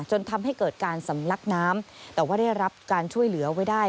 จนทำให้เกิดการสำลักน้ำแต่ว่าได้รับการช่วยเหลือไว้ได้